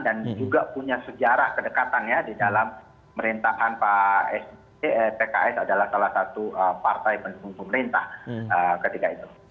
dan juga punya sejarah kedekatannya di dalam pemerintahan pkb adalah salah satu partai penyusun pemerintah ketika itu